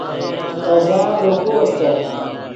تے ژان دے کوئے استت